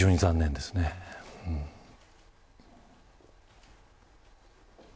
非常に残念ですね。